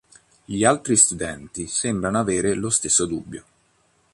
Gli altri studenti sembrano avere lo stesso dubbio.